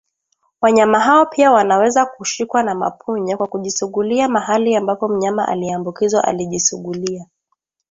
Wanyama hao pia wanaweza kushikwa na mapunye kwa kujisugulia mahali ambapo mnyama aliyeambukizwa alijisugulia